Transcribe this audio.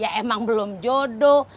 ya emang belum jodoh